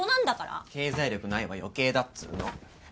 「経済力ない」は余計だっつうの。